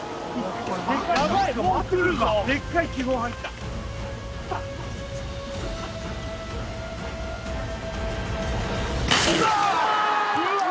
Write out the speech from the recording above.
でっかい気泡入ったうわっ！